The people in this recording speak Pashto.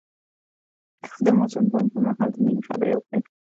هغه د موزون بام پر مهال د مینې خبرې وکړې.